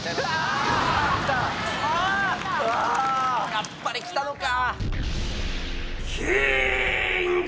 やっぱりきたのか。